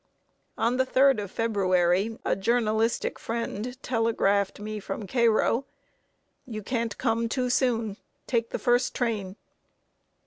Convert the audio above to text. On the 3d of February a journalistic friend telegraphed me from Cairo: "You can't come too soon: take the first train."